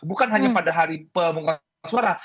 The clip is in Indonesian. bukan hanya pada hari pemungutan suara